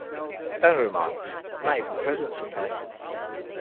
Daniel remarks, He might even be President someday.